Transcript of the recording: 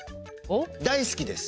大好きです。